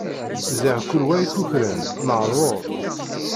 Ziɣ kul wa ikukran, meεduṛ.